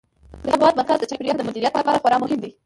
د هېواد مرکز د چاپیریال د مدیریت لپاره خورا مهم دی.